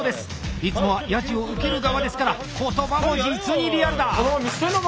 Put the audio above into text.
いつもはヤジを受ける側ですから言葉も実にリアルだ！